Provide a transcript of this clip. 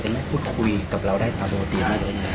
ทำไมพูดคุยกับเราได้ตาโพส์เดียว